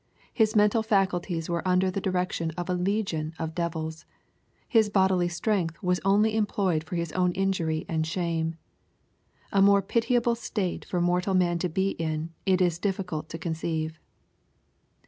His mental faculties were under the direction of a "legion" of devils. His bodily strength was only employed for his own injury and shame. A more pitiable state for mortal man to be in, it is difficult to conceive.